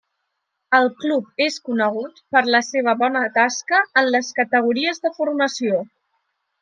El club és conegut per la seva bona tasca en les categories de formació.